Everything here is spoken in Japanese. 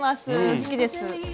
好きです。